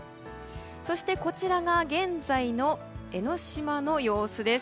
そして、こちらが現在の江の島の様子です。